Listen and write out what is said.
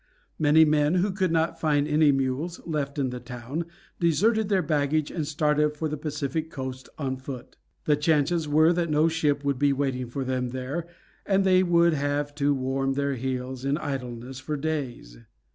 Many men, who could not find any mules left in the town, deserted their baggage and started for the Pacific coast on foot. The chances were that no ship would be waiting for them there, and they would have to warm their heels in idleness for days.